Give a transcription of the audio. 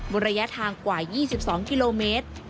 ระยะทางกว่า๒๒กิโลเมตร